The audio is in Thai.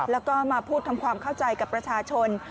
แล้วก็มาพูดทำความเข้าใจกับประชาชน